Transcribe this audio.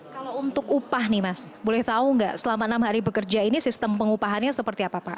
kalau untuk upah nih mas boleh tahu nggak selama enam hari bekerja ini sistem pengupahannya seperti apa pak